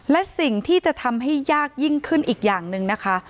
และสิ่งที่จะทำให้ยากยิ่งขึ้นอีกอย่างหนึ่งนะคะ